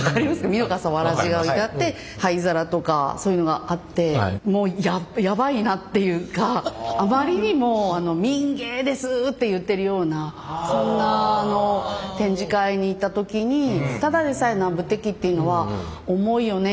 みのかさわらじが置いてあって灰皿とかそういうのがあってもうやばいなっていうかあまりにも民芸です！って言ってるようなそんな展示会に行った時にただでさえ南部鉄器っていうのは重いよね